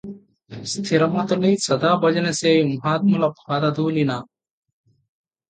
స్ధిరమతులై సదాభజన సేయు మహాత్ముల పాదధూళి నా